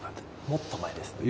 もっと前ですね。